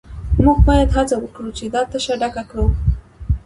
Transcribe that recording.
موږ باید هڅه وکړو چې دا تشه ډکه کړو